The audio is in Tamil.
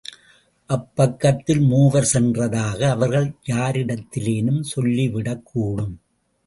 அப்பக்கத்தில் மூவர் சென்றதாக அவர்கள் யாரிடத்திலேனும் சொல்லிவிடக் கூடும்.